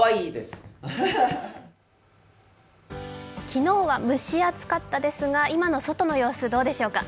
昨日は蒸し暑かったですが、今の外の様子、どうでしょうか。